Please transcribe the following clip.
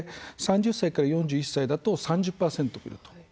３０歳から４１歳だと３０％いると。